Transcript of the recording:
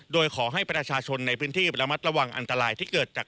โดยขอให้ประชาชนในพื้นที่ระมัดระวังอันตรายที่เกิดจาก